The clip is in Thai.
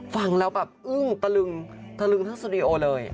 ฟังแล้วแบบอึ้งตะลึงตะลึงทั้งสตูดิโอเลย